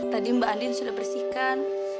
tadi mbak andin sudah bersihkan